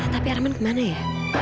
tapi arman kemana ya